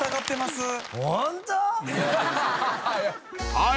はい。